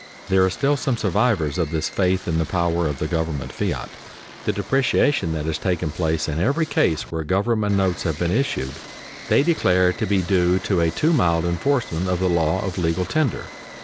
There are still some survivors of this faith in the power of the government fiat. The depreciation that has taken place in every case where government notes have been issued, they declare to be due to a too mild enforcement of the law of legal tender.